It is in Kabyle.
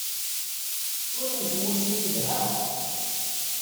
Cwiṭ n tmussni telha.